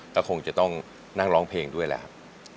ก็คงจะต้องนั่งร้องเพลงด้วยแหละครับ